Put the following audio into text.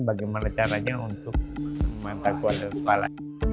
bagaimana caranya untuk memantai kualitas pala